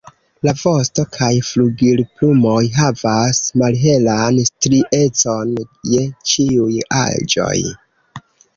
La vosto kaj flugilplumoj havas malhelan striecon je ĉiuj aĝoj.